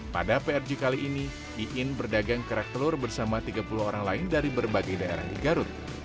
pada prj kali ini iin berdagang kerak telur bersama tiga puluh orang lain dari berbagai daerah di garut